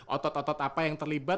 otot otot apa yang terlibat